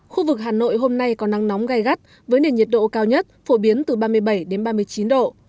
khu vực hà nội hôm nay có nắng nóng gai gắt với nền nhiệt độ cao nhất phổ biến từ ba mươi bảy đến ba mươi chín độ